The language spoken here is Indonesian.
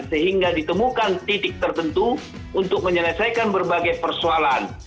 sehingga ditemukan titik tertentu untuk menyelesaikan berbagai persoalan